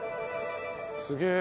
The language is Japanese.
すげえ。